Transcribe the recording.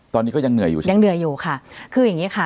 ตอนนี้ก็ยังเหนื่อยอยู่ค่ะ